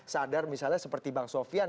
sadar misalnya seperti bang sofian